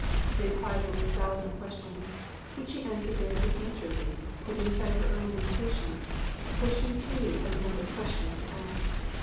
They plied her with a thousand questions, which she answered very good naturedly, putting aside her own impatience; for she too had a number of questions to ask.